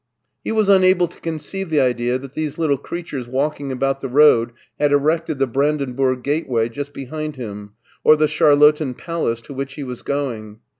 He was unable to conceive the idea that these little creatures walking ibont the road had erected the Brandenburg Gateway just behind him or the Char lotten Palace to which he was going.